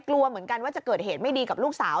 กลัวเหมือนกันว่าจะเกิดเหตุไม่ดีกับลูกสาว